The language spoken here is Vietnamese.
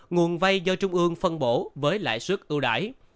nguồn vay do trung ương phân bổ với lãi suất ưu đãi